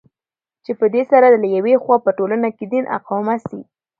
چې پدي سره له يوې خوا په ټولنه كې دين اقامه سي